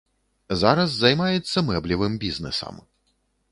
Зараз займаецца мэблевым бізнэсам.